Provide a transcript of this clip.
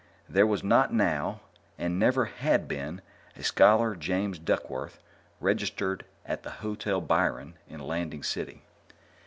There was not now, and never had been a Scholar James Duckworth registered at the Hotel Byron in Landing City.